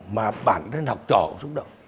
mà bản thân học trò cũng xúc động